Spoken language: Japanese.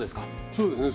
そうですね